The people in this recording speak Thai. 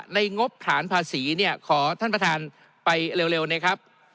งบฐานภาษีเนี่ยขอท่านประธานไปเร็วนะครับ